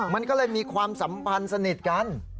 มันก็เลยมีความสัมพันธ์สนิทกัน